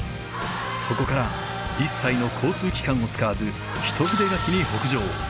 そこから一切の交通機関を使わず一筆書きに北上。